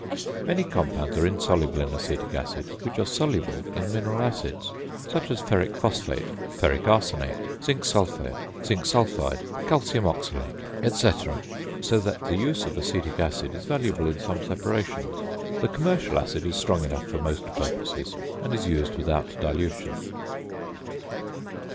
Many compounds are insoluble in acetic acid, which are soluble in mineral acids, such as ferric phosphate, ferric arsenate, zinc sulphide, calcium oxalate, &c., so that the use of acetic acid is valuable in some separations. The commercial acid is strong enough for most purposes, and is used without dilution.